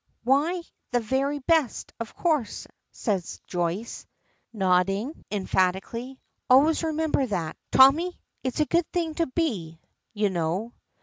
"Why, the very best, of course," says Joyce, nodding emphatically. "Always remember that, Tommy. It's a good thing to be, you know.